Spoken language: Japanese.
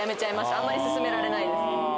あんまり勧められないです。